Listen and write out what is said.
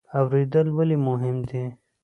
اوریدل ولې مهم دي؟